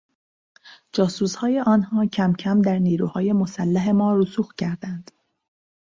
جاسوسهای آنها کمکم در نیروهای مسلح ما رسوخ کردند.